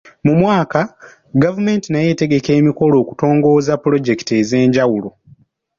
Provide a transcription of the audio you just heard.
Mu mwaka, gavumenti nayo etegeka emikolo okutongoza pulojekiti ez'enjawulo.